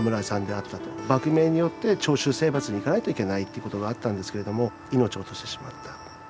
幕命によって長州征伐に行かないといけないってことがあったんですけれども命を落としてしまった。